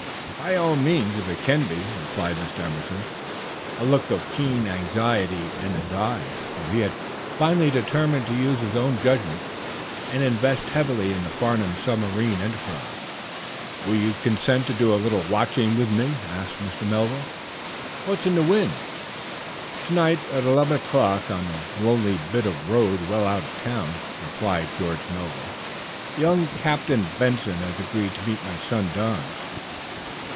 "By all means, if it can be," replied Mr. Emerson, a look of keen anxiety in his eyes, for he had finally determined to use his own judgment and invest heavily in the Farnum submarine enterprise. "Will you consent to doing a little watching with me?" asked Mr. Melville. "What's in the wind?" "To night, at eleven o'clock, on a lonely bit of road well out of town," replied George Melville, "young Captain John Benson has agreed to meet my son, Don."